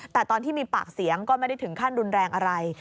แต่ตอนที่มีปากเสียงก็ไม่ได้ถึงขั้นรุนแรงอะไร